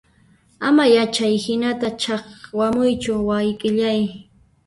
Ama ya chayhinata ch'aqwamuychu wayqillay